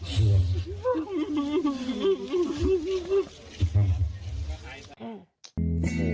ครับ